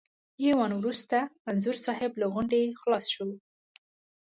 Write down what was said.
یو آن وروسته انځور صاحب له غونډې خلاص شو.